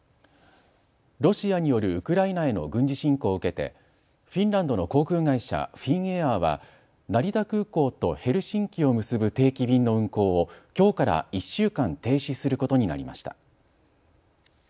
ロシアによるウクライナへの軍事侵攻を受けてフィンランドの航空会社、フィンエアーは成田空港とヘルシンキを結ぶ定期便の運航をきょうから１週間停止することになりました。